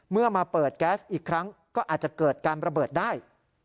เมื่อมาเปิดแก๊สอีกครั้งก็อาจจะเกิดการระเบิดได้